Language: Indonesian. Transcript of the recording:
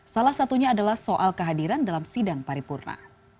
salah satunya adalah soal kehadiran dalam sidang paripurna